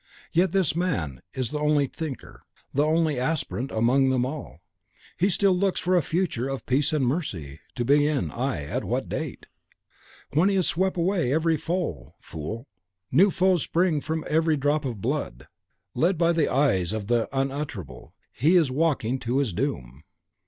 Yet this man is the only Thinker, the only Aspirant, amongst them all. He still looks for a future of peace and mercy, to begin, ay! at what date? When he has swept away every foe. Fool! new foes spring from every drop of blood. Led by the eyes of the Unutterable, he is walking to his doom.